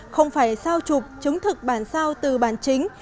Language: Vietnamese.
không phải sao chụp chứng thực bản sao từ bản chính